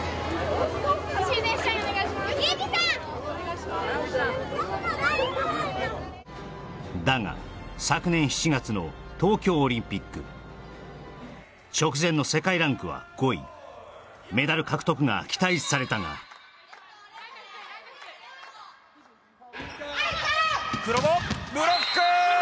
お願いしますだが昨年７月の東京オリンピック直前の世界ランクは５位メダル獲得が期待されたが黒後ブロックー！